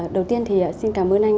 đầu tiên thì xin cảm ơn anh